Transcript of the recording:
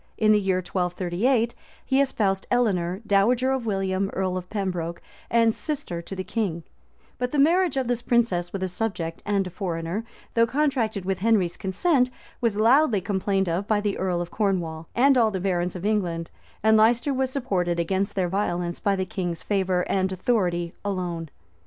In the year 1238, he espoused Eleanor, dowager of William, earl of Pembroke, and sister to the king;[*] but the marriage of this princess with a subject and a foreigner, though contracted with Henry's consent, was loudly complained of by the earl of Cornwall and all the barons of England; and Leicester was supported against their violence by the king's favor and authority alone.